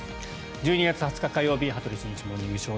１２月２０日、火曜日「羽鳥慎一モーニングショー」。